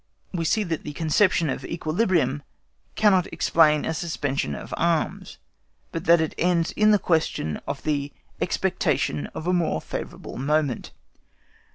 We see that the conception of an equilibrium cannot explain a suspension of arms, but that it ends in the question of the EXPECTATION OF A MORE FAVOURABLE MOMENT.